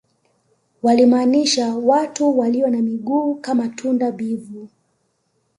walimaanisha watu walio na miguu kama tunda bivu